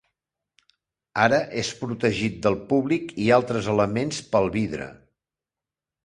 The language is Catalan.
Ara és protegit del públic i altres elements pel vidre.